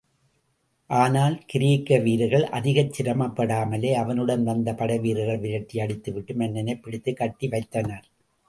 ஆனால், கிரேக்க வீரர்கள் அதிகச் சிரமப்படாமலே அவனுடன் வந்த படைவீரர்களை விரட்டியடித்துவிட்டு மன்னனைப் பிடித்துக் கட்டி வைத்தனர்.